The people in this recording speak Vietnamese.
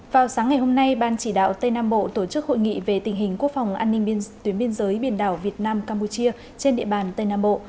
vào sáng ngày hôm nay ban chỉ đạo tây nam bộ tổ chức hội nghị về tình hình quốc phòng an ninh biên giới biển đảo việt nam campuchia trên địa bàn tây nam bộ